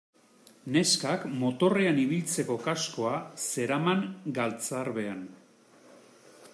Neskak motorrean ibiltzeko kaskoa zeraman galtzarbean.